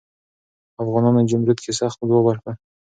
افغانانو جمرود کې سخت ځواب ورکړ.